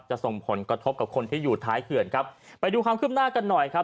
ส่งผลกระทบกับคนที่อยู่ท้ายเขื่อนครับไปดูความขึ้นหน้ากันหน่อยครับ